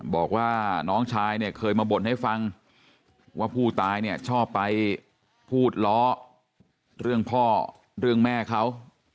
บอกว่าน้องชายเนี่ยเคยมาบ่นให้ฟังว่าผู้ตายเนี่ยชอบไปพูดล้อเรื่องพ่อเรื่องแม่เขา